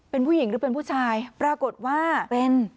เป็นผู้หญิงหรือเป็นผู้ชายปรากฏว่าเป็น